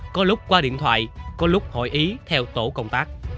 có lúc qua điện thoại có lúc hội ý theo tổ công tác